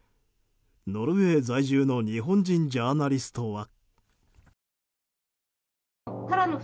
ノルウェー在住の日本人ジャーナリストは。